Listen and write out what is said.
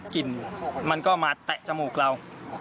กลิ่นมันก็มาแตะจมูกเรา